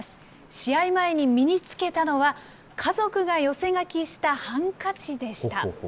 試合前に身につけたのは、家族が寄せ書きしたハンカチでした。